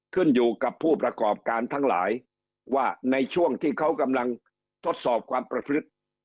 ขึ้นอยู่กับผู้ประกอบการทั้งหลายว่าในช่วงที่เขากำลังทดสอบความประพฤติ